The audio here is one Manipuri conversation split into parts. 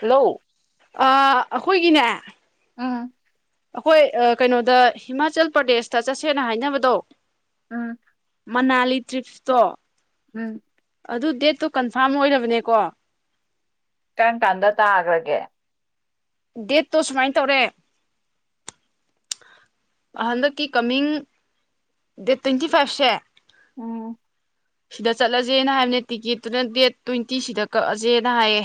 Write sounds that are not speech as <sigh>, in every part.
ꯍꯂꯣ ꯑ ꯑꯩꯈꯣꯏꯒꯤꯅꯦ ꯑꯪ ꯑꯩꯈꯣꯏ ꯀꯩꯅꯣꯗ ꯍꯤꯃꯥꯆꯜ ꯄ꯭ꯔꯗꯦꯁꯇ ꯆꯠꯁꯦꯅ ꯍꯥꯏꯅꯕꯗꯣ ꯎꯝ ꯃꯅꯥꯂꯤ ꯇ꯭ꯔꯤꯞꯁꯇꯣ ꯎꯝ ꯑꯗꯨ ꯗꯦꯠ ꯑꯗꯨꯨ ꯀꯟꯐꯥꯔꯝ ꯑꯣꯏꯔꯕꯅꯦꯀꯣ ꯀꯔꯝ ꯀꯥꯟꯗ ꯇꯥꯈꯔ꯭ ꯒꯦ ꯗꯦꯠꯇꯣ ꯁꯨꯃꯥꯏ ꯇꯧꯔꯦ ꯍꯟꯗꯛꯀꯤ ꯀꯃꯤꯡ ꯗꯦꯠ ꯇ꯭ꯋꯦꯟꯇꯤ ꯐꯥꯏꯚꯁꯦ ꯎꯝ ꯁꯤꯗ ꯆꯠꯂꯖꯦꯅ ꯍꯥꯏꯕꯅꯦ ꯇꯤꯀꯦꯠꯇꯨꯅ ꯗꯦꯠ ꯇ꯭ꯋꯦꯟꯇꯤ ꯁꯤꯗ ꯀꯛꯑꯁꯦꯅ ꯍꯥꯏꯌꯦ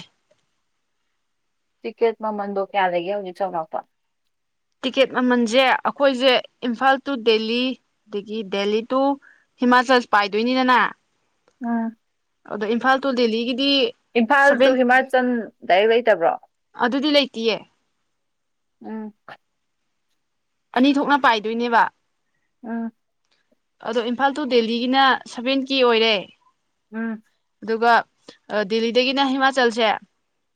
ꯇꯤꯀꯦꯠ ꯃꯃꯟꯗꯣ ꯀꯌꯥ ꯂꯩꯒꯦ ꯍꯧꯖꯤꯛ ꯆꯥꯎꯔꯥꯛꯄ ꯇꯤꯛꯀꯦꯠ ꯃꯃꯜꯖꯦ ꯑꯩꯈꯣꯏꯁꯦ ꯏꯝꯐꯥꯜ ꯇꯨ ꯗꯦꯜꯂꯤ ꯑꯗꯒꯤ ꯗꯦꯜꯂꯤ ꯇꯨ ꯍꯤꯃꯥꯆꯜ ꯄꯥꯏꯗꯣꯏꯅꯤꯅꯅ ꯎꯝ ꯑꯗꯣ ꯏꯝꯐꯥꯜ ꯇꯨ ꯗꯦꯜꯂꯤꯒꯤ ꯏꯝꯐꯥꯜ ꯇꯨ ꯍꯤꯃꯥꯆꯜ ꯗꯥꯏꯔꯦꯛ ꯂꯩꯇꯕ꯭ꯔꯣ ꯑꯗꯨꯗꯤ ꯂꯩꯇꯦꯌꯦ ꯎꯝ ꯑꯅꯤ ꯊꯣꯛꯅ ꯄꯥꯏꯗꯣꯏꯅꯦꯕ ꯎꯝ ꯑꯗꯣ ꯏꯝꯐꯥꯜ ꯇꯨ ꯗꯦꯜꯂꯤꯒꯤꯅ ꯁꯚꯦꯟ ꯀꯦ ꯑꯣꯏꯔꯦ ꯎꯝ ꯑꯗꯨꯒ ꯗꯦꯜꯂꯤꯗꯒꯤꯅ ꯍꯤꯃꯥꯆꯜꯁꯦ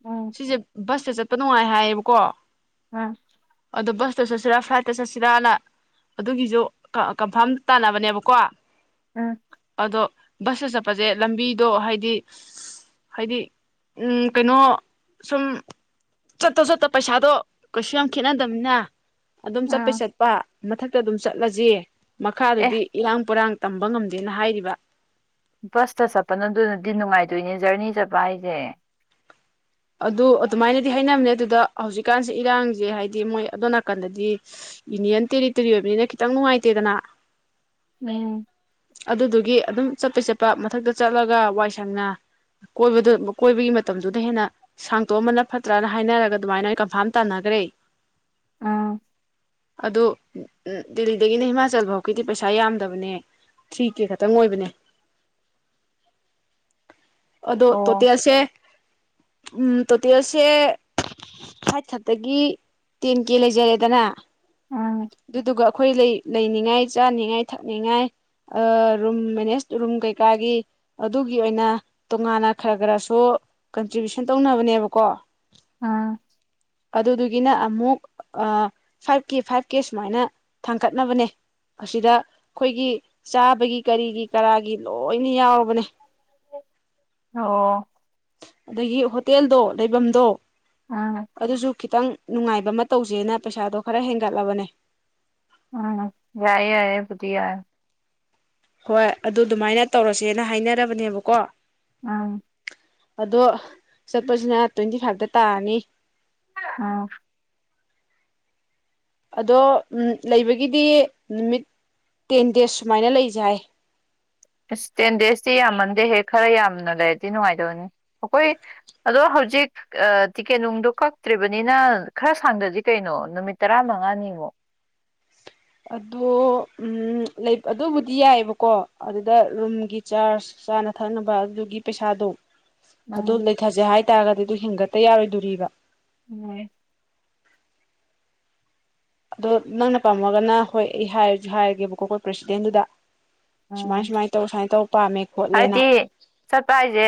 ꯎꯝ ꯁꯤꯁꯦ ꯕꯁ ꯗ ꯆꯠꯄ ꯅꯨꯡꯉꯥꯏ ꯍꯥꯏꯌꯦꯕꯀꯣ ꯎꯝ ꯑꯗꯣ ꯕꯁꯇ ꯆꯠꯁꯤꯔꯥ ꯐ꯭ꯂꯥꯏꯠꯇ ꯆꯠꯁꯤꯔꯥꯅ ꯑꯗꯨꯒꯤꯁꯨ ꯀꯟꯐꯥꯝ ꯇꯥꯟꯅꯕꯅꯦꯕꯀꯣ ꯎꯝ ꯑꯗꯣ ꯕꯁꯇ ꯆꯠꯄꯁꯦ ꯂꯝꯕꯤꯗꯣ ꯍꯥꯏꯗꯤ ꯍꯥꯏꯗꯤ ꯎꯝ ꯀꯩꯅꯣ ꯁꯨꯝ ꯆꯠꯇ ꯆꯠꯇ ꯄꯩꯁꯥꯗꯣ ꯀꯩꯁꯨ ꯌꯥꯝ ꯈꯦꯠꯅꯗꯕꯅ ꯑꯗꯨꯝ ꯎꯝ ꯆꯠꯄꯩ ꯆꯠꯄ ꯃꯊꯛꯇ ꯑꯗꯨꯝ ꯆꯠꯂꯁꯤ ꯑꯦ ꯃꯈꯥꯗꯨꯗꯤ ꯏꯔꯥꯡ ꯄꯨꯔꯥꯡ ꯇꯝꯕ ꯉꯝꯗꯦꯅ ꯍꯥꯏꯔꯤꯕ ꯕꯁꯇ ꯆꯠꯄ ꯅ ꯑꯗꯨꯅꯗꯤ ꯅꯨꯡꯉꯥꯏꯗꯣꯏꯅꯦ ꯖꯔꯅꯤ ꯆꯠꯄ ꯍꯥꯏꯁꯦ ꯑꯗꯨ ꯑꯗꯨꯃꯥꯏꯅꯗꯤ ꯍꯥꯏꯅꯕꯅꯦ ꯑꯗꯨ ꯑꯗ ꯍꯧꯖꯤꯛꯀꯥꯟꯁꯦ ꯏꯔꯥꯡꯁꯦ ꯍꯥꯏꯗꯤ ꯃꯣꯏ ꯑꯗꯣ ꯅꯥꯀꯟꯗꯗꯤ ꯌꯨꯅꯤꯌꯟ ꯇꯦꯔꯤꯇꯣꯔꯤ ꯑꯣꯏꯕꯅꯤꯅ ꯈꯤꯇꯪ ꯅꯨꯡꯉꯥꯏꯇꯦꯗꯅ ꯎꯝ ꯑꯗꯨꯗꯨꯒꯤ ꯑꯗꯨꯝ ꯆꯠꯄꯩ ꯆꯠꯄ ꯃꯊꯛꯇ ꯆꯠꯂꯒ ꯋꯥꯏ ꯁꯪꯅ ꯀꯣꯏꯕꯗꯨ ꯀꯣꯏꯕꯒꯤ ꯃꯇꯝꯗꯨꯗ ꯍꯦꯟꯅ ꯁꯥꯡꯇꯣꯛꯑꯝꯕꯅ ꯐꯠꯇ꯭ꯔꯥꯅ ꯍꯥꯏꯅꯔꯒ ꯑꯗꯨꯃꯥꯏꯅ ꯀꯟꯐꯥꯝ ꯇꯥꯟꯅꯈ꯭ꯔꯦ ꯑꯥ ꯑꯗꯨ ꯗꯦꯜꯂꯤꯗꯒꯤꯅ ꯍꯤꯃꯥꯆꯜ ꯐꯥꯎꯒꯤꯗꯤ ꯄꯩꯁꯥ ꯌꯥꯝꯗꯕꯅꯦ ꯊ꯭ꯔꯤ ꯀꯦ ꯈꯛꯇꯪ ꯑꯣꯏꯕꯅꯦ ꯑꯗꯣ ꯑꯣ ꯇꯣꯇꯦꯜꯁꯦ ꯎꯝ ꯇꯣꯇꯦꯜꯁꯦ ꯐꯥꯏꯠ ꯊꯔꯠꯇꯒꯤ ꯇꯦꯟ ꯀꯦ ꯂꯩꯖꯔꯦꯗꯅ ꯎꯝ ꯑꯗꯨꯗꯨꯒ ꯑꯩꯈꯣꯏ ꯂꯩ ꯂꯩꯅꯤꯡꯉꯥꯏ ꯆꯥꯅꯤꯡꯉꯥꯏ ꯊꯛꯅꯤꯡꯉꯥꯏ ꯔꯨꯝ ꯃꯦꯅꯦꯖ ꯔꯨꯝ ꯀꯩꯀꯥꯒꯤ ꯑꯗꯨꯒꯤ ꯑꯣꯏꯅ ꯇꯣꯉꯥꯟꯅ ꯈꯔ ꯈꯔꯁꯨ ꯀꯟꯇ꯭ꯔꯤꯕꯨꯁꯟ ꯍ ꯇꯧꯅꯕꯅꯦꯕꯀꯣ ꯑꯝ ꯑꯗꯨꯗꯨꯒꯤꯅ ꯑꯃꯨꯛ ꯐꯥꯏꯚ ꯀꯦ ꯐꯥꯏꯚ ꯀꯦ ꯁꯨꯃꯥꯏꯅ ꯊꯥꯡꯒꯠꯅꯕꯅꯦ ꯑꯁꯤꯗ ꯑꯩꯈꯣꯏꯒꯤ ꯆꯥꯕꯒꯤ ꯀꯔꯤꯒꯤ ꯀꯔꯥꯒꯤ ꯂꯣꯏꯅ ꯌꯥꯎꯔꯕꯅꯦ ꯑꯣ ꯑꯗꯨꯗꯒꯤ ꯍꯣꯇꯦꯜꯗꯣ ꯂꯩꯐꯝꯗꯣ ꯎꯝ ꯑꯗꯨꯗꯁꯨ ꯈꯤꯇꯪ ꯅꯨꯡꯉꯥꯏꯕ ꯑꯃ ꯇꯧꯁꯦꯅ ꯄꯩꯁꯥꯗꯣ ꯈꯔ ꯍꯦꯟꯒꯠꯂꯕꯅꯦ ꯎꯝ ꯌꯥꯌꯦ ꯌꯥꯏꯕꯨꯗꯤꯌꯥ ꯍꯣꯏ ꯑꯗꯨ ꯑꯗꯨꯃꯥꯏꯅ ꯇꯧꯔꯁꯦꯅ ꯍꯥꯏꯅꯔꯕꯅꯦꯕꯀꯣ ꯑꯥ ꯑꯗꯣ ꯆꯠꯄꯁꯤꯅ ꯇ꯭ꯋꯦꯟꯇꯤ ꯐꯥꯏꯚꯇ ꯇꯥꯔꯅꯤ ꯑꯥ ꯑꯗꯣ ꯂꯩꯕꯒꯤꯗꯤ ꯅꯨꯃꯤꯠ ꯇꯦꯟ ꯗꯦꯖ ꯁꯨꯃꯥꯏꯅ ꯂꯩꯖꯥꯏ ꯑꯁ ꯇꯦꯟ ꯗꯦꯖꯇꯤ ꯌꯥꯝꯃꯟꯗꯦꯍꯦꯛ ꯈꯔ ꯌꯥꯝꯅ ꯂꯩꯔꯗꯤ ꯅꯨꯡꯉꯥꯏꯗꯕꯅꯤ ꯑꯩꯈꯣꯏ ꯑꯗꯣ ꯍꯧꯖꯤꯛ ꯇꯤꯀꯦꯠ ꯅꯨꯡꯗꯣ ꯀꯛꯇ꯭ꯔꯤꯕꯅꯤꯅ ꯈꯔ ꯁꯥꯡꯗꯗꯤ ꯀꯩꯅꯣ ꯅꯨꯃꯤꯠ ꯇꯔꯥ ꯃꯉꯥꯅꯤ ꯑꯃꯨꯛ ꯑꯗꯨ ꯑꯗꯨꯕꯨꯗꯤ ꯌꯥꯏꯑꯕꯀꯣ ꯑꯗꯨꯗ ꯔꯨꯝꯒꯤ ꯆꯥꯔꯖ ꯆꯥꯅ ꯊꯛꯅꯕ ꯑꯗꯨꯒꯤ ꯄꯩꯁꯥꯗꯣ ꯑꯗꯨ ꯎꯝ ꯂꯩꯊꯁꯦ ꯍꯥꯏꯦ ꯍꯥꯏꯇꯥꯔꯒꯗꯤ ꯑꯗꯨ ꯍꯤꯡꯒꯠꯇ ꯌꯥꯔꯣꯏꯗꯣꯔꯤꯕ ꯎꯝ ꯑꯗꯣ ꯅꯪꯅ ꯄꯥꯝꯃꯒꯅ ꯍꯣꯏ ꯑꯩ ꯍꯥꯏꯔꯒꯦꯕꯀꯣ ꯑꯩꯈꯣꯏ ꯄ꯭ꯔꯦꯁꯤꯗꯦꯟꯗꯨꯗ ꯃꯃꯥꯏ ꯎꯝ ꯁꯃꯥꯏ ꯇ ꯁꯥꯏ ꯇ ꯄꯝꯃꯦ ꯍꯥꯏꯗꯤ ꯆꯠꯄ ꯍꯥꯏꯁꯦ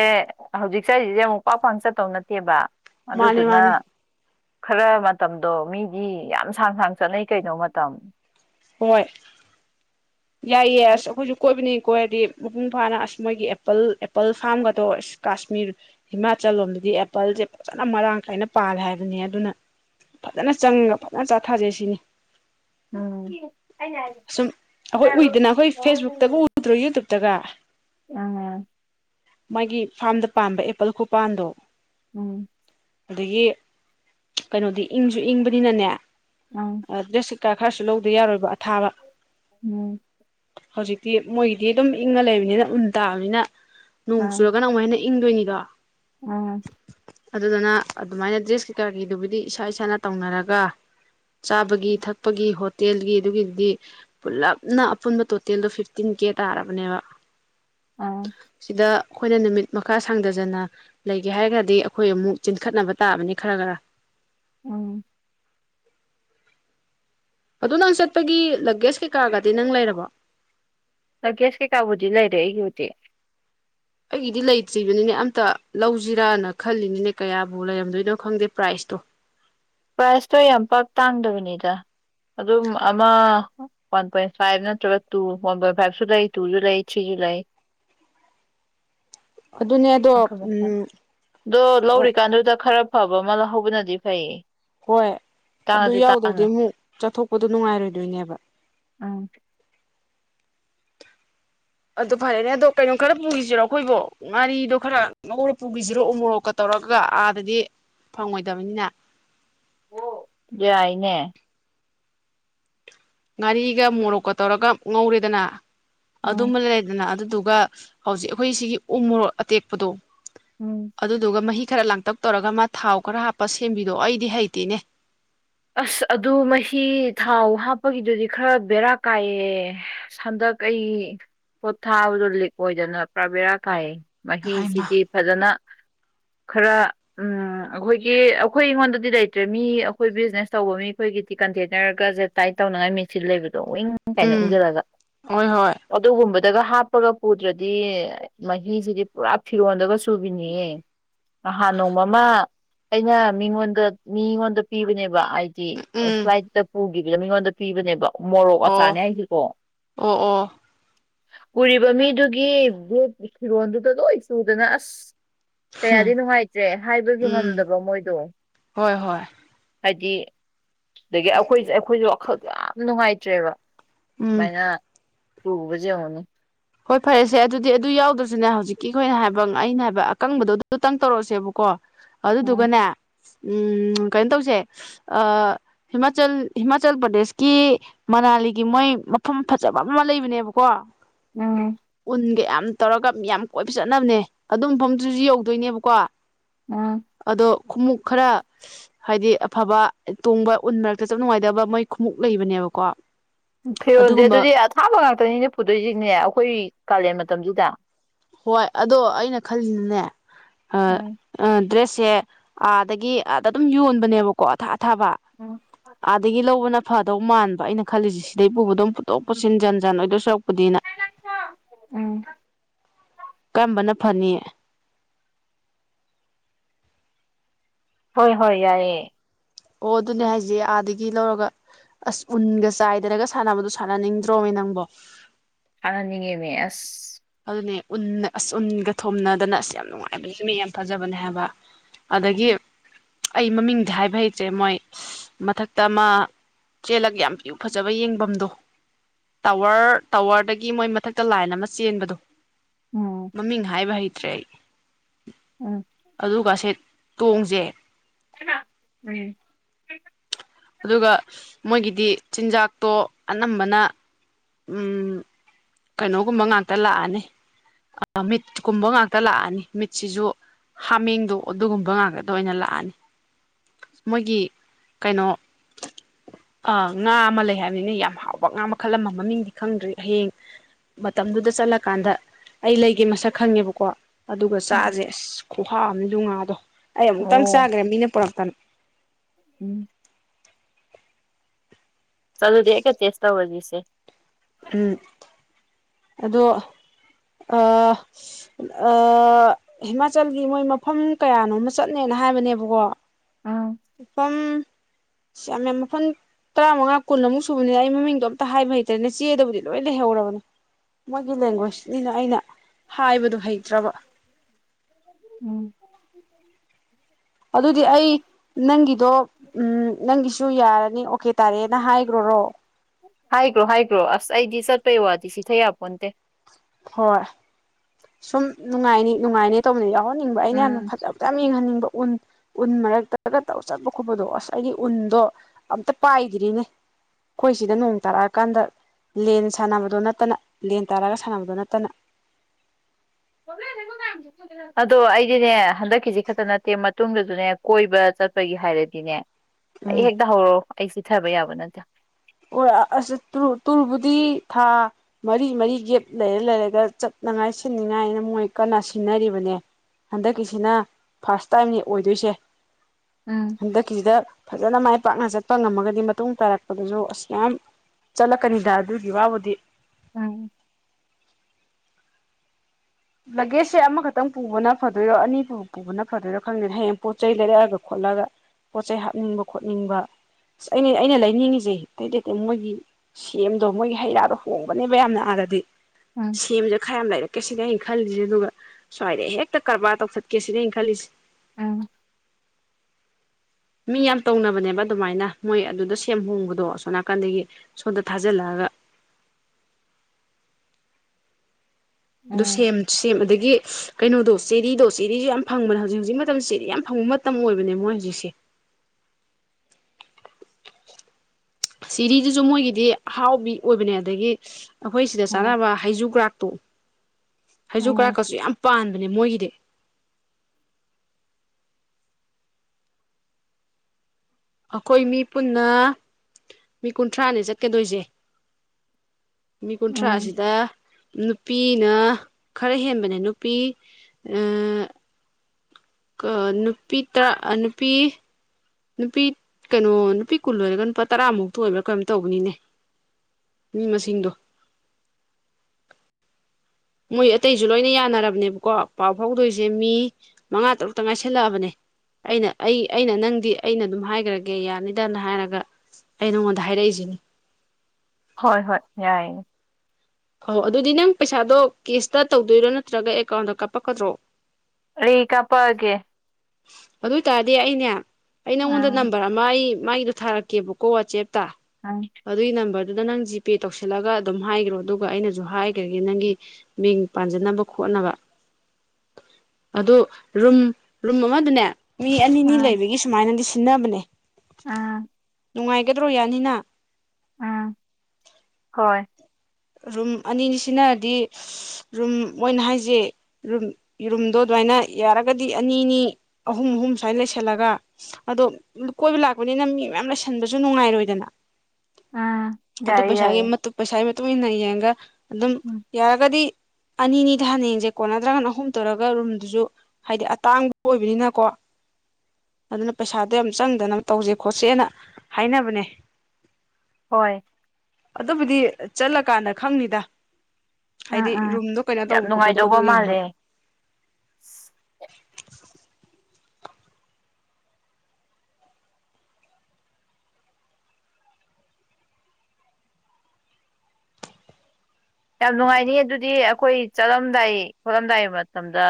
ꯍꯧꯖꯤꯛ ꯆꯠꯂꯤ ꯁꯦ ꯑꯃꯨꯛ ꯄꯥꯛ ꯄꯥꯛꯅ ꯆꯠꯇꯧ ꯅꯠꯇꯦꯕ꯫ ꯃꯥꯅꯦ ꯑꯗꯨꯗꯨꯅ ꯃꯥꯅꯦ ꯈꯔ ꯃꯇꯝ꯫ ꯗꯣ ꯃꯤꯗꯤ ꯌꯥꯝ ꯁꯥꯡ ꯁꯥꯡ ꯆꯠꯅꯩ ꯀꯩꯅꯣ ꯃꯇꯝ꯫ ꯍꯣꯏ꯫ ꯌꯥꯏꯌꯦ ꯑꯁ ꯑꯈꯣꯏꯁꯨ ꯀꯣꯏꯕꯅꯤ ꯀꯣꯏꯔꯗꯤ ꯃꯄꯨꯡ ꯐꯥꯅ ꯑꯁ ꯃꯣꯏꯒꯤ ꯑꯦꯄꯜ ꯑꯦꯄꯜ ꯐꯥꯔꯝꯒꯗꯣ ꯑꯁ ꯀꯥꯁꯃꯤꯔ ꯍꯤꯃꯥꯆꯜ ꯂꯣꯝꯗꯗꯤ ꯑꯦꯄꯜꯁꯦ ꯐꯖꯅ ꯃꯔꯥꯡ ꯀꯥꯏꯅ ꯄꯥꯜꯂꯦ ꯍꯥꯏꯕꯅꯦ ꯑꯗꯨꯅ ꯐꯖꯅ ꯆꯪꯒ ꯐꯖꯅ ꯆꯥꯊꯖꯦ ꯁꯤꯅꯤ꯫ ꯁꯨꯝ <unintelligible> ꯑꯩꯈꯣꯏ ꯎꯏꯗꯅ ꯑꯩꯈꯣꯏ ꯐꯦꯁꯕꯨꯛꯇ <inaudible> ꯎꯗ꯭ꯔꯣ ꯌꯨ ꯇꯨꯞꯇꯒ꯫ <unintelligible> ꯃꯥꯒꯤ ꯐꯥꯔꯝꯗ ꯄꯥꯟꯕ ꯑꯦꯄꯜ ꯈꯨꯄꯥꯟꯗꯣ꯫ ꯎꯝ꯫ ꯑꯗꯒꯤ ꯀꯩꯅꯣꯗꯤ ꯏꯪꯁꯨ ꯏꯪꯕꯅꯤꯅꯅꯦ꯫ ꯎꯝ ꯗ꯭ꯔꯦꯁ ꯀꯩꯀꯥ ꯈꯔꯁꯨ ꯂꯧꯗ ꯌꯥꯔꯣꯏꯕ ꯑꯊꯥꯕ꯫ ꯎꯝ ꯍꯧꯖꯤꯛꯇꯤ ꯃꯣꯏꯒꯤꯗꯤ ꯑꯗꯨꯝ ꯏꯪꯉ ꯂꯩꯕꯅꯤꯅ ꯎꯟ ꯇꯥꯕꯅꯤꯅ꯫ ꯅꯣꯡ ꯎꯝ ꯆꯨꯔꯒꯅ ꯑꯃꯨꯛꯍꯦꯟꯅ꯫ ꯏꯪꯗꯣꯏꯅꯤꯗꯣ꯫ ꯎꯝ꯫ ꯑꯗꯨꯗꯨꯅ ꯑꯗꯨꯃꯥꯏꯅ ꯗ꯭ꯔꯦꯁ ꯀꯩꯀꯥ ꯀꯩꯗꯨꯕꯨꯗꯤ ꯏꯁꯥ ꯏꯁꯥꯅ ꯇꯧꯅꯔꯒ ꯆꯥꯕꯒꯤ ꯊꯛꯄꯒꯤ ꯍꯣꯇꯦꯜꯒꯤ ꯑꯗꯨꯒꯤꯗꯨꯗꯤ꯫ ꯄꯨꯂꯞꯅ ꯑꯄꯨꯟꯕ ꯇꯣꯇꯦꯜꯗꯣ ꯐꯤꯐꯇꯤꯟ ꯀꯦ ꯇꯥꯔꯕꯅꯦꯕ꯫ ꯑꯥ꯫ ꯁꯤꯗ ꯑꯩꯈꯣꯏꯅ ꯅꯨꯃꯤꯠ ꯃꯈꯥ ꯁꯥꯡꯗꯖꯅ ꯂꯩꯒꯦ ꯍꯥꯏꯔꯒꯗꯤ ꯑꯩꯈꯣꯏ ꯑꯃꯨꯛ ꯆꯤꯟꯈꯠꯅꯕ ꯇꯥꯕꯅꯤ ꯈꯔ ꯈꯔ꯫ ꯎꯝ꯫ ꯑꯗꯨ ꯅꯪ ꯆꯠꯄꯒꯤ ꯂꯒꯦꯖ ꯀꯩꯀꯥꯒꯗꯤ ꯅꯪ ꯂꯩꯔꯕꯣ꯫ ꯂꯒꯦꯖ ꯀꯩꯀꯥꯕꯨꯗꯤ ꯂꯩꯔꯦ ꯑꯩꯒꯤꯕꯨꯗꯤ꯫ ꯑꯩꯒꯤꯗꯤ ꯂꯩꯇ꯭ꯔꯤꯕꯅꯤꯅꯦ ꯑꯝꯇ ꯂꯧꯁꯤꯔꯥꯅ ꯈꯜꯂꯤꯅꯤꯅꯦ ꯀꯌꯥꯕꯨ ꯂꯩꯔꯝꯗꯣꯏꯅꯣ ꯈꯪꯗꯦ ꯄ꯭ꯔꯥꯏꯖꯇꯣ꯫ ꯄ꯭ꯔꯥꯏꯁꯇꯣ ꯌꯥꯝ ꯄꯥꯛ ꯇꯥꯡꯗꯕꯅꯤꯗ ꯑꯗꯨꯝ ꯑꯃ ꯋꯥꯟ ꯄꯣꯏꯟ ꯐꯥꯏꯚ ꯅꯠꯇ꯭ꯔꯒ ꯇꯨ ꯋꯥꯟ ꯄꯣꯏꯟ ꯐꯥꯏꯚꯁꯨ ꯂꯩ ꯇꯨꯁꯨ ꯂꯩ ꯊ꯭ꯔꯤꯁꯨ ꯂꯩ꯫ ꯑꯗꯨꯅꯦ ꯑꯗꯣ ꯎꯝ ꯑꯗꯣ ꯂꯧꯔꯤꯀꯥꯟꯗꯨꯗ ꯈꯔ ꯐꯕ ꯑꯃ ꯂꯧꯍꯧꯕꯅꯗꯤ ꯐꯩꯌꯦ꯫ ꯍꯣꯏ ꯑꯗꯨ ꯇꯥꯡꯉꯁꯨ ꯌꯥꯎꯗ꯭ꯔꯗꯤ ꯇꯥꯡꯅ ꯑꯃꯨꯛ ꯆꯠꯊꯣꯛꯄꯗꯣ ꯅꯨꯡꯉꯥꯏꯔꯣꯏꯗꯣꯏꯅꯦꯕ꯫ ꯎꯝ꯫ ꯑꯗꯨ ꯐꯔꯦꯅꯦ ꯑꯗꯣ ꯀꯩꯅꯣ ꯈꯔ ꯄꯨꯈꯤꯁꯤꯔꯣ ꯑꯩꯈꯣꯏꯕꯨ ꯉꯥꯔꯤꯗꯣ ꯈꯔ ꯉꯧꯔ ꯄꯨꯈꯤꯁꯤꯔꯣ ꯎꯃꯣꯔꯣꯛꯀ ꯇꯧꯔꯒ ꯑꯥꯗꯗꯤ ꯐꯪꯉꯣꯏꯗꯕꯅꯤꯅ꯫ ꯑꯣ ꯌꯥꯏꯅꯦ꯫ ꯉꯥꯔꯤꯒ ꯃꯣꯔꯣꯛꯀ ꯇꯧꯔꯒ ꯉꯧꯔꯦꯗꯅ꯫ ꯎꯝ ꯑꯗꯨꯃ ꯂꯩꯗꯅ ꯑꯗꯨꯗꯨ ꯑꯗꯨꯒ ꯍꯧꯖꯤꯛ ꯑꯩꯈꯣꯏ ꯁꯤꯒꯤ ꯎ ꯃꯣꯔꯣꯛ ꯑꯇꯦꯛꯄꯗꯣ꯫ ꯎꯝ ꯑꯗꯗꯨꯒ ꯃꯍꯤ꯫ ꯈꯔ ꯂꯥꯡꯇꯛ ꯇꯧꯔꯒ ꯃꯥ ꯊꯥꯎ ꯈꯔ ꯍꯥꯞꯄ ꯁꯦꯝꯕꯤꯗꯣ ꯑꯩꯗꯤ ꯍꯩꯇꯦꯅꯦ ꯑꯁ ꯑꯗꯨ ꯃꯍꯤ ꯊꯥꯎ ꯍꯥꯞꯄꯒꯤꯗꯨꯗꯤ ꯈꯔ ꯕꯦꯔꯥ ꯀꯥꯏꯑ ꯍꯟꯗꯛ ꯑꯩ ꯄꯣꯊꯥꯕꯗꯣ ꯂꯤꯛ ꯑꯣꯏꯗꯅ ꯄꯨꯔꯥ ꯕꯦꯔꯥ ꯀꯥꯏꯌꯦ ꯍꯥꯏꯃ ꯃꯍꯤꯁꯤꯗꯤ ꯐꯖꯅ ꯈꯔ ꯎꯝ ꯑꯩꯈꯣꯏꯒꯤ ꯑꯩꯈꯣꯏ ꯑꯩꯉꯣꯟꯗꯗꯤ ꯂꯩꯇ꯭ꯔꯦ ꯃꯤ ꯑꯩꯈꯣꯏ ꯕꯤꯅꯦꯁ ꯇꯧꯕ ꯃꯤ ꯑꯩꯈꯣꯏꯒꯤꯗꯤ ꯀꯟꯇꯦꯅꯔꯒꯁꯦ ꯇꯥꯏꯠ ꯇꯧꯅꯉꯥꯏ ꯃꯦꯆꯤꯟ ꯂꯩꯕꯗꯣ ꯑ ꯎꯋꯤꯡ ꯀꯥꯏꯅ ꯎꯝ ꯎꯟꯁꯤꯜꯂꯒ ꯍꯣꯏ ꯍꯣꯏ ꯑꯗꯨꯒꯨꯝꯕ ꯗꯒ ꯍꯥꯞꯄꯒ ꯄꯨꯗ꯭ꯔꯗꯤ ꯃꯍꯤꯁꯤꯗꯤ ꯄꯨꯔꯥ ꯐꯤꯔꯣꯟꯜꯗꯒ ꯆꯨꯕꯤꯅꯤꯌꯦ ꯅꯍꯥꯟ ꯅꯣꯡꯃ ꯑꯃ ꯑꯩꯅ ꯃꯤꯉꯣꯟꯗ ꯃꯤꯉꯣꯟꯗ ꯄꯤꯕꯅꯦꯕ ꯍꯥꯏꯗꯤ ꯎꯝ ꯁꯋꯥꯏꯠꯇ ꯄꯒ ꯃꯤꯉꯣꯟꯗ ꯄꯤꯕꯅꯦꯕꯣ ꯃꯣꯔꯣꯛ ꯑꯆꯥꯥꯅꯤ ꯑꯣ ꯍꯥꯏꯁꯤꯀꯣ ꯑꯣ ꯑꯣ ꯎꯔꯤꯕ ꯃꯤꯗꯨꯒꯤ ꯠ ꯐꯤꯔꯣꯟꯜꯗꯨꯗ ꯂꯣꯏ ꯆꯨꯗꯅ ꯑꯁ ꯀꯌꯥꯗꯤ ꯅꯨꯡꯉꯥꯏꯇ꯭ꯔꯦ ꯍꯥꯏꯕꯒꯤ ꯎꯝ ꯉꯝꯗꯕ ꯃꯣꯏꯗꯣ ꯍꯣꯏ ꯍꯣꯏ ꯍꯧꯖꯤ ꯑꯗꯒꯤ ꯑꯩꯈꯣꯏꯁ ꯑꯩꯈꯣꯏꯁꯨ ꯋꯥꯈꯜ ꯌꯥꯝ ꯅꯨꯡꯉꯥꯏꯇ꯭ꯔꯦꯕ ꯎꯝ ꯃꯅ ꯇꯨꯕꯖꯤ ꯌꯥꯋꯥꯅꯤ ꯍꯣꯏ ꯐꯔꯦꯁꯦ ꯑꯗꯨꯗꯤ ꯑꯗꯨ ꯌꯥꯎꯗ꯭ꯔꯁꯨꯅꯦ ꯍꯧꯖꯤꯛꯀꯤ ꯑꯩꯈꯣꯏꯅ ꯍꯥꯏꯕ ꯑꯩꯅ ꯍꯥꯏꯕ ꯑꯀꯪꯕꯗꯣ ꯑꯗꯨꯇꯪ ꯇꯧꯔꯛꯁꯦꯕꯀꯣ ꯑꯗꯨ ꯑꯗꯨ ꯎꯝ ꯇꯗꯨꯒꯅꯦ ꯎꯝ ꯀꯩꯅꯣ ꯇꯧꯁꯦ ꯍꯤꯃꯥꯆꯜ ꯍꯤꯃꯥꯆꯜ ꯄ꯭ꯔꯗꯦꯁꯀꯤ ꯃꯅꯥꯂꯤꯒꯤ ꯃꯣꯏ ꯃꯐꯝ ꯐꯖꯕ ꯑꯃ ꯂꯩꯕꯅꯦꯕꯀꯣ ꯎꯝ ꯟ ꯀꯌꯥꯝ ꯇꯧꯔꯒ ꯃꯤ ꯌꯥꯝ ꯀꯣꯏꯕ ꯆꯠꯅꯕꯅꯦ ꯑꯗꯨ ꯃꯐꯝꯗꯨꯁꯨ ꯌꯧꯗꯣꯏꯅꯦꯕꯀꯣ ꯑꯝ ꯈꯎꯨꯞ ꯈꯔ ꯍꯥꯏꯗꯤ ꯑꯐꯕ ꯇꯣꯡꯕ ꯎꯟ ꯃꯔꯛꯇ ꯆꯞ ꯅꯨꯡꯉꯥꯏꯇꯕ ꯃꯣꯏ ꯈꯨꯎꯞ ꯂꯩꯕꯅꯦꯕꯀꯣ ꯎ ꯐꯤꯔꯣꯜꯗꯤꯦ ꯑꯗꯨꯒꯨꯝꯕ ꯑꯗꯨꯗꯤ ꯑꯊꯥꯕ ꯉꯥꯛꯇꯅꯤꯅꯦ ꯐꯨꯗꯣꯏꯁꯤꯅꯦ ꯑꯩꯈꯣꯏ ꯦ ꯃꯇꯝꯗꯨꯗ ꯍꯣꯏ ꯑꯗꯣ ꯑꯩꯅ ꯈꯜꯂꯤꯅꯅꯦ ꯎꯝ ꯗ꯭ꯔꯦꯁ ꯁꯦ ꯑꯗꯒꯤ ꯑꯗ ꯑꯗꯨꯝ ꯌꯣꯟꯕꯅꯦꯕꯀꯣ ꯊꯕ ꯎꯝ ꯑꯗꯒꯤ ꯂꯧꯕꯅ ꯐꯗꯧ ꯃꯥꯟ ꯑꯗ ꯑꯩꯅ ꯈꯜꯂꯤꯁꯤ ꯁꯤꯗꯩ ꯄꯨꯕꯨ ꯑꯗꯨꯝ ꯄꯨꯊꯣꯛ ꯄꯨꯁꯤꯟꯖꯟꯖꯟ ꯑꯣꯏꯗ ꯁꯛ ꯎꯝ ꯀꯔꯝꯕꯅ ꯐꯅꯤꯌꯦ ꯍꯣꯏ ꯍꯣꯏ ꯌꯥꯏꯑꯌꯦ ꯑꯣ ꯑꯗꯨꯅꯦ ꯍꯥꯏꯁꯦ ꯑꯥꯗꯒꯤ ꯂꯧꯔꯒ ꯑꯁ ꯎꯟꯒ ꯆꯥꯏꯗꯅꯒ ꯁꯥꯟꯅꯕꯗꯣ ꯁꯥꯟꯅꯅꯤꯡꯗ꯭ꯔꯣꯅꯦ ꯅꯪꯕꯣ ꯀꯔꯅꯤꯉꯦꯃꯦ ꯑꯁ ꯑꯗꯨꯅꯦꯟꯅ ꯑꯁ ꯎꯟꯒ ꯊꯣꯝꯅꯗꯅ ꯑꯁ ꯌꯥꯝ ꯅꯨꯡꯉꯥꯏꯕ ꯃꯤ ꯌꯥꯝ ꯐꯖꯕꯅꯦ ꯍꯥꯏꯕ ꯑꯗꯒꯤ ꯑꯩ ꯃꯃꯤꯡꯗꯤ ꯍꯥꯏꯕ ꯍꯩꯁꯦ ꯃꯣꯏ ꯃꯊꯛꯇ ꯑꯃ ꯆꯦꯜꯂꯒ ꯌꯥꯝ ꯄꯤꯌꯨ ꯐꯖꯕ ꯌꯦꯡꯐꯝꯗꯣ ꯇꯥꯋꯔ ꯇꯥꯋꯔꯗꯒꯤ ꯃꯣꯏ ꯃꯊꯛꯇ ꯂꯥꯏꯟ ꯑꯃ ꯆꯦꯟꯕꯗꯣ ꯎꯝ ꯃꯃꯤꯡ ꯉꯍꯥꯏꯕꯍꯤ ꯇꯦ ꯎꯝ ꯑꯗꯨꯒ ꯁꯦꯠ ꯇꯣꯡꯁꯦ ꯎꯝ ꯑꯗꯨꯒ ꯃꯣꯏꯒꯤꯗꯤ ꯆꯤꯟꯖꯥꯛꯇꯣ ꯑꯅꯝꯕꯅ ꯎ ꯀꯩꯅꯣꯒꯨꯝꯕ ꯉꯥꯛꯇ ꯂꯥꯛꯑꯅꯤ ꯃꯤꯠꯀꯨꯝꯕ ꯉꯥꯛꯇ ꯂꯥꯛꯑꯅꯤ ꯃꯤꯠꯁꯤꯁꯨ ꯍꯥꯃꯦꯡꯗꯣ ꯑꯗꯨꯒꯨꯝꯕ ꯉꯥꯛꯇꯇ ꯑꯣꯏꯅ ꯂꯥꯛꯑꯅꯤ ꯃꯣꯏꯒꯤ ꯀꯩꯅꯣ ꯑ ꯉꯥ ꯑꯃ ꯂꯩ ꯍꯥꯏꯕꯅꯤꯅ ꯌꯥꯝ ꯍꯥꯎꯕ ꯉꯥ ꯃꯈꯜ ꯑꯃ ꯃꯃꯤꯡꯗꯤ ꯈꯪꯗ꯭ꯔꯤ ꯍꯌꯦꯡ ꯃꯇꯝꯗꯨꯗ ꯆꯠꯂꯀꯥꯟꯗ ꯑꯩ ꯂꯩꯒꯦ ꯃꯁꯛ ꯈꯪꯉꯦꯕꯀꯣ ꯑꯗꯨꯒ ꯎꯝ ꯆꯥꯁꯦ ꯈꯣꯡꯍꯥꯞ ꯑꯝꯗꯨ ꯉꯥꯗꯣ ꯑꯩ ꯑꯃꯨꯛꯇꯪ ꯑꯣ ꯆꯥꯈ꯭ꯔꯦ ꯃꯤꯅ ꯄꯨꯔꯛ ꯇꯟ ꯎꯝ ꯆꯠꯂꯗꯤ ꯍꯀꯇꯦꯁ ꯇꯧꯔꯁꯤꯁꯦ ꯎꯝ ꯑꯗꯣ ꯍꯤꯃꯥꯆꯜꯒꯤ ꯃꯣꯏ ꯃꯐꯝ ꯀꯌꯥꯅꯣꯃ ꯆꯠꯅꯦꯅ ꯍꯥꯏꯕꯅꯦꯕꯀꯣ ꯎꯝ ꯏꯄꯝ ꯁꯤ ꯌꯥꯝ ꯌꯥꯝ ꯃꯐꯝ ꯇꯔꯥ ꯃꯉꯥ ꯀꯨꯟꯃꯨꯛ ꯁꯨꯕꯅꯤꯅ ꯑꯩ ꯃꯃꯤꯡꯗꯣ ꯑꯝꯇ ꯍꯥꯏꯕ ꯍꯩꯇꯔꯦꯅꯦ ꯆꯦꯗꯕꯨꯗꯤ ꯂꯣꯏ ꯂꯩꯍꯧꯔꯕꯅꯦ ꯃꯣꯏꯒꯤ ꯂꯦꯡꯒ꯭ꯋꯦꯖꯅꯤꯅ ꯑꯩꯅ ꯍꯥꯏꯕꯗꯣ ꯍꯩꯇ꯭ꯔꯕ ꯎꯝ ꯑꯗꯨꯗꯤ ꯑꯩ ꯅꯪꯒꯤꯗꯣ ꯎꯝ ꯅꯪꯒꯤꯁꯨ ꯌꯥꯔꯅꯤ ꯑꯣꯀꯦ ꯇꯥꯔꯦꯅ ꯍꯥꯏꯈ꯭ꯔꯔꯣ ꯍꯥꯏꯈ꯭ꯔꯣ ꯍꯥꯏꯈ꯭ꯔꯣ ꯑꯁ ꯑꯩꯗꯤ ꯆꯠꯄꯩ ꯋꯥꯗꯤ ꯁꯤꯊꯌꯥꯄꯣꯟꯇꯦ ꯍꯣꯏ ꯁꯨꯝ ꯅꯨꯡꯉꯥꯏꯅꯤ ꯅꯨꯡꯉꯥꯏꯅꯤ ꯇꯧꯕꯅꯦ ꯌꯥꯎꯋ ꯈꯅꯤꯡꯕ ꯑꯩꯅ ꯌꯥꯝꯅ ꯎꯝ ꯐꯖ ꯐꯖ ꯌꯥꯝ ꯌꯦꯡꯍꯟꯅꯤꯡꯕ ꯎꯟ ꯎꯟ ꯃꯔꯛꯇꯒ ꯇꯧꯔ ꯆꯠꯄ ꯈꯣꯠꯄꯗꯣ ꯑꯁ ꯑꯩꯗꯤ ꯎꯟꯗꯣ ꯑꯝꯇ ꯄꯥꯏꯗ꯭ꯔꯤꯅꯦ ꯑꯩꯈꯣꯏ ꯁꯤꯗ ꯅꯣꯡ ꯇꯥꯔꯛꯑꯀꯥꯟꯗ ꯂꯦꯟ ꯁꯥꯟꯅꯕꯗꯣ ꯅꯠꯇꯅ ꯂꯦꯟ ꯇꯥꯔꯛꯒ ꯁꯥꯟꯅꯕꯗꯣ ꯅꯠꯇꯅ ꯑꯗꯣ ꯑꯩꯗꯤꯅꯦ ꯍꯟꯗꯛꯀꯤꯁꯦ ꯈꯛꯇ ꯅꯠꯇꯦ ꯃꯇꯨꯡꯗꯁꯨꯅꯦ ꯀꯣꯏꯕ ꯆꯠꯄꯒꯤ ꯍꯥꯏꯔꯗꯤꯅꯦ ꯑꯩ ꯎꯝ ꯍꯦꯒꯗ ꯍꯔꯣ ꯑꯩꯁꯤ ꯆꯠꯊꯕ ꯌꯥꯕ ꯅꯠꯇꯦ ꯑꯣ ꯑꯁ ꯇꯨꯔꯕꯨꯗꯤ ꯊꯥ ꯃꯔꯤ ꯃꯔꯤ ꯒꯦꯞ ꯂꯩꯔ ꯂꯩꯔꯒ ꯆꯠꯅꯉꯥꯏ ꯁꯤꯟꯅꯤꯉꯥꯏꯅ ꯃꯣꯏ ꯀꯟꯅ ꯁꯤꯟꯅꯔꯤꯕꯅꯦ ꯍꯟꯗꯛꯀꯤꯁꯤꯅ ꯐꯥꯔꯁ ꯇꯥꯏꯝꯅꯤ ꯑꯣꯏꯗꯣꯏꯁꯦ ꯎꯝ ꯍꯗ ꯀꯁꯤꯗ ꯐꯖꯅ ꯃꯥꯏ ꯄꯥꯛꯅ ꯆꯠꯄ ꯉꯝꯃꯒꯗꯤ ꯃꯇꯨꯡ ꯇꯥꯔꯛꯄꯗꯁꯨ ꯑꯁ ꯃꯌꯥꯝ ꯆꯠꯂꯛꯀꯅꯤꯗ ꯑꯗꯨꯒꯤ ꯋꯥꯕꯨꯗꯤ ꯎꯝ ꯂꯒꯦꯖꯁꯦ ꯑꯃꯈꯛꯇꯪ ꯄꯨꯕꯅ ꯐꯗꯣꯏꯔꯣ ꯑꯅꯤ ꯄꯨ ꯄꯨꯕꯅ ꯐꯗꯣꯏꯔꯣ ꯈꯪꯗꯦ ꯍꯌꯦꯡ ꯄꯣꯠꯆꯩ ꯂꯩꯔꯛꯑꯒ ꯈꯣꯠꯂꯒ ꯄꯣꯠꯆꯩ ꯍꯥꯞꯅꯤꯡꯕ ꯈꯣꯠꯅꯤꯡꯕ ꯑ ꯑꯩꯅ ꯑꯩꯅ ꯂꯩꯅꯤꯡꯉꯤꯁꯦ ꯑꯇꯩꯇꯩ ꯑꯇꯩ ꯃꯣꯏꯒꯤ ꯁꯦꯝꯗꯣ ꯃꯣꯏꯒꯤ ꯍꯩ ꯔꯥꯗꯣ ꯍꯣꯡꯕꯅꯦꯕ ꯌꯥꯝꯅ ꯑꯥꯔꯗꯤ ꯎꯝ ꯁꯤꯁꯨꯦ ꯈꯔꯌꯥꯝ ꯌꯥꯝ ꯂꯩꯔꯛꯀꯦ ꯁꯤꯅ ꯈꯜꯂꯤꯁꯦ ꯑꯗꯨꯒ ꯁ꯭ꯋꯥꯏꯗ ꯍꯦꯛꯇ ꯀꯔꯕꯥꯔ ꯇꯧꯊꯠꯀꯦ ꯁꯤꯅꯦ ꯈꯜꯂꯤꯁꯦ ꯑ ꯃꯤ ꯌꯥꯝ ꯇꯧꯅꯕꯅꯦꯕ ꯑꯗꯨꯃꯥꯏꯅ ꯃꯣꯏ ꯑꯗꯨꯗ ꯁꯦꯝ ꯍꯣꯡꯕꯗꯣ ꯑꯁꯣꯝ ꯅꯥꯀꯟꯗꯒꯤ ꯁꯣꯝꯗ ꯊꯥꯖꯤꯜꯂꯛꯑꯒ ꯑꯗꯨ ꯎꯝ ꯁꯦꯝ ꯁꯦꯝ ꯑꯗꯒꯤ ꯀꯩꯅꯣꯗꯣ ꯆꯦꯔꯤꯗꯣ ꯆꯦꯔꯤꯁꯨ ꯌꯥꯝ ꯐꯪꯕꯅꯦ ꯍꯧꯖꯤꯛ ꯍꯧꯖꯤꯛ ꯃꯇꯝꯗ ꯆꯦꯔꯤ ꯌꯥꯝ ꯐꯪꯕ ꯃꯇꯝ ꯑꯣꯏꯕꯅꯦ ꯃꯣꯏ ꯍꯧꯖꯤꯛꯁꯦ ꯁꯤꯔꯤꯗꯨꯁꯨ ꯃꯣꯏꯒꯤꯗꯤ ꯑꯍꯥꯎꯕꯤ ꯑꯣꯏꯕꯅꯦ ꯑꯗꯒꯤ ꯑꯩꯈꯣꯏ ꯁꯤꯗ ꯎꯝ ꯆꯥꯅꯕ ꯍꯩꯖꯨ ꯒ꯭ꯔꯥꯛꯇꯣ ꯍꯩꯖꯨ ꯀꯔꯥꯛ ꯎꯝ ꯀꯁꯨ ꯌꯥꯝ ꯄꯥꯟꯕꯅꯦ ꯃꯣꯏꯒꯤꯗꯤ ꯑꯩꯈꯣꯏ ꯃꯤ ꯄꯨꯟꯅ ꯃꯤ ꯀꯨꯟꯊ꯭ꯔꯥꯅꯦ ꯆꯠꯀꯗꯣꯏꯁꯦ ꯃꯤ ꯎꯝ ꯀꯨꯟꯊ꯭ꯔꯥꯁꯤꯗ ꯅꯨꯄꯤꯅ ꯈꯔ ꯍꯦꯟꯕꯅꯦ ꯅꯨꯄꯤ ꯅꯨꯄꯤ ꯇꯔꯥ ꯅꯨꯄꯤ ꯅꯨꯄꯤ ꯀꯩꯅꯣ ꯅꯨꯄꯤ ꯀꯨꯟ ꯂꯣꯏꯔꯒ ꯅꯨꯄꯥ ꯇꯔꯥꯃꯨꯛꯇ ꯑꯣꯏꯕ꯭ꯔꯥ ꯀꯔꯤꯝ ꯇꯧꯕꯅꯤꯅꯦ ꯃꯤ ꯃꯁꯤꯡꯗꯣ ꯃꯣꯏ ꯑꯇꯩꯁꯨ ꯂꯣꯏꯅ ꯌꯥꯅꯔꯕꯅꯦꯕꯀꯣ ꯄꯥꯎ ꯐꯥꯎꯗꯣꯏꯁꯦ ꯃꯤ ꯃꯉꯥ ꯇꯔꯨꯛꯇ ꯉꯥꯏꯁꯤꯜꯂꯛꯑꯕꯅꯦ ꯑꯩꯅ ꯑꯩ ꯑꯩꯅ ꯅꯪꯗꯤ ꯑꯩꯅ ꯑꯗꯨꯝ ꯍꯥꯏꯈ꯭ꯔꯒꯦ ꯌꯥꯅꯤꯗꯅ ꯍꯥꯏꯔꯒ ꯑꯩ ꯅꯉꯣꯟꯗ ꯍꯥꯏꯔꯛꯏꯁꯤꯅꯤ ꯍꯣꯏ ꯍꯣꯏ ꯌꯥꯏ ꯍ ꯑꯗꯨꯗꯤ ꯅꯪ ꯄꯩꯁꯥꯗꯣ ꯀꯦꯁꯇ ꯇꯧꯗꯣꯏꯔꯣ ꯅꯠꯇ꯭ꯔꯒ ꯑꯦꯀꯥꯎꯟꯗ ꯀꯥꯞꯄꯛꯀꯗ꯭ꯔꯣ ꯑ ꯀꯄꯑꯒꯦ ꯑꯗꯨ ꯑꯣꯏ ꯇꯔꯗꯤ ꯑꯩꯅꯦ ꯑꯩ ꯅꯪꯉꯣꯟꯗ ꯎꯝ ꯅꯝꯕꯔ ꯑꯃ ꯑꯩ ꯃꯥꯒꯤꯗꯣ ꯊꯥꯔꯛꯀꯦꯕꯀꯣ ꯑꯆꯦꯞ ꯑꯗꯨ ꯎꯝ ꯑꯗꯨꯏ ꯅꯝꯕꯔ ꯑꯗꯨꯗ ꯅꯪ ꯖꯤꯄꯦ ꯇꯧꯁꯤꯜꯂꯒ ꯑꯗꯨꯝ ꯍꯥꯏꯈ꯭ꯔꯣ ꯑꯗꯨꯒ ꯑꯩꯅꯁꯨ ꯍꯥꯏꯈ꯭ꯔꯒꯦ ꯅꯪꯒꯤ ꯃꯤꯡ ꯄꯥꯟꯖꯅꯕ ꯈꯣꯠꯅꯕ ꯑꯗꯨ ꯔꯨꯝ ꯔꯨꯝ ꯑꯃꯗꯅꯦ ꯃꯤ ꯑꯅꯤꯅꯤ ꯂꯩꯕꯒꯤ ꯁꯨꯃꯥꯏꯅꯗꯤ ꯅꯥꯕꯅꯦ ꯑꯥ ꯅꯨꯡꯉꯥꯏꯒꯗ꯭ꯔꯣ ꯌꯥꯅꯤꯅ ꯎꯝ ꯍꯣꯏ ꯔꯨꯝ ꯑꯅꯤꯅꯤ ꯁꯤꯅꯔꯗꯤ ꯔꯨꯝ ꯃꯣꯏꯅ ꯍꯥꯏꯁꯦ ꯔꯨꯝꯗꯣ ꯑꯗꯨꯃꯥꯏꯅ ꯌꯥꯔꯒꯗꯤ ꯑꯅꯤꯅꯤ ꯑꯍꯨꯝ ꯑꯍꯨꯝ ꯁꯨꯃꯥꯏꯅ ꯂꯩꯁꯜꯂꯒ ꯑꯗꯣ ꯀꯣꯏꯕ ꯂꯥꯛꯄꯅꯤꯅ ꯃꯤ ꯃꯌꯥꯝ ꯂꯩꯁꯟꯕꯁꯨ ꯅꯨꯡꯉꯥꯏꯔꯣꯏꯗꯅ ꯎꯝ ꯑꯗꯨ ꯌꯥꯏꯌꯦ ꯄꯩꯁꯥ ꯌꯥꯏꯌꯦ <unintelligible> ꯄꯩꯁꯥ ꯇꯨꯃꯤꯟꯅꯥ ꯌꯦꯉꯒ ꯑꯗꯨꯝ ꯎꯝ ꯌꯥꯔꯒꯗꯤ ꯑꯅꯤꯅꯤꯗ ꯍꯟꯅ ꯌꯦꯡꯁꯦꯀꯣ ꯅꯠꯇ꯭ꯔꯒꯅ ꯑꯍꯨꯝ ꯇꯧꯔꯒ ꯔꯨꯝꯗꯨꯁꯨ ꯍꯥꯏꯗꯤ ꯑꯇꯥꯡꯕ ꯑꯣꯏꯕꯅꯤꯅꯀꯣ ꯑꯗꯨꯅ ꯄꯩꯁꯥꯗꯣ ꯌꯥꯝ ꯆꯪꯗꯅ ꯇꯧꯁꯦ ꯈꯣꯠꯁꯦꯅ ꯍꯥꯏꯅꯕꯅꯦ ꯍꯣꯏ ꯑꯗꯨꯕꯨꯗꯤ ꯆꯠꯂꯀꯥꯟꯗ ꯈꯪꯅꯤꯗ ꯎꯝ ꯍꯥꯏꯗꯤ ꯎꯝ ꯔꯨꯝꯗꯣ ꯀꯩꯅꯣ ꯌꯥꯝ ꯇꯧꯕ ꯈꯣꯠꯄꯗꯣ ꯑꯗꯨ ꯅꯨꯡꯉꯥꯏꯗꯧꯕ ꯃꯥꯜꯂꯦ ꯌꯦꯡꯅꯕ <unintelligible> ꯌꯥꯝ ꯅꯨꯡꯉꯥꯏꯅꯤ ꯑꯗꯨꯗꯤ ꯑꯩꯈꯣꯏ ꯆꯠꯂꯝꯗꯥꯏ ꯈꯣꯠꯂꯝꯗꯥꯏ ꯃꯇꯝꯗ